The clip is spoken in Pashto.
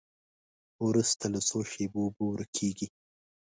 وروسته له څو شېبو اوبه ورکیږي.